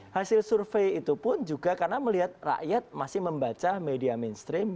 hasil survei itu pun juga karena melihat rakyat masih membaca media mainstream